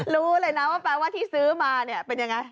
รู้เลยนะว่าที่ซื้อมาเป็นอย่างไร